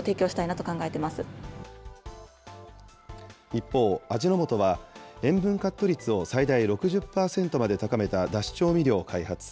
一方、味の素は、塩分カット率を最大６０％まで高めただし調味料を開発。